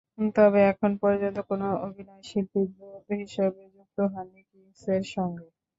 তবে এখন পর্যন্ত কোনো অভিনয়শিল্পী দূত হিসেবে যুক্ত হননি কিংসের সঙ্গে।